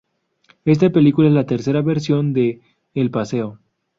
Esta película es la tercera versión de "El paseo".